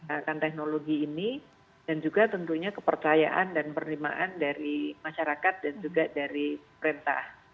akan teknologi ini dan juga tentunya kepercayaan dan penerimaan dari masyarakat dan juga dari perintah